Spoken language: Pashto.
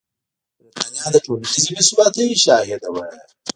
برېټانیا د ټولنیزې بې ثباتۍ شاهده وه.